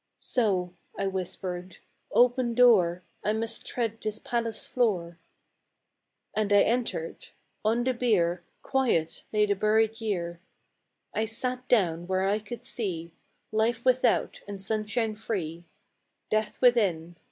" So," I whispered, " open door, I must tread this palace floor: " And I entered. On the bier Quiet lay the buried year ; I sat down where I could see Life without, and sunshine free, Death within.